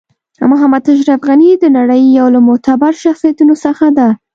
محمد اشرف غنی د نړۍ یو له معتبرو شخصیتونو څخه ده .